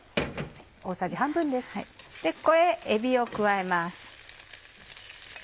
ここへえびを加えます。